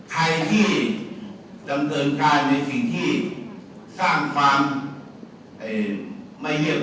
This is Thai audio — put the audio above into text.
ใครที่ดำเนินการในสิ่งที่สร้างความไม่เยี่ยม